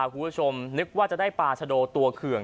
คุณผู้ชมนึกว่าจะได้ปลาชะโดตัวเคือง